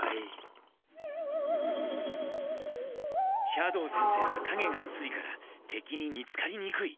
斜堂先生はかげが薄いから敵に見つかりにくい。